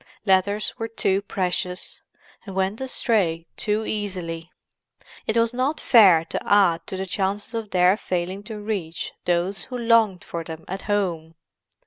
Letters were too precious, and went astray too easily; it was not fair to add to the chances of their failing to reach those who longed for them at home.